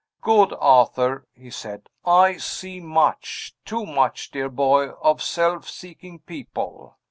"Good Arthur!" he said. "I see much too much, dear boy of self seeking people.